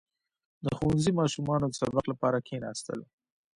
• د ښوونځي ماشومانو د سبق لپاره کښېناستل.